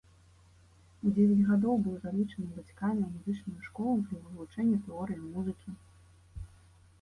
У дзевяць гадоў быў залічаны бацькамі ў музычную школу для вывучэння тэорыі музыкі.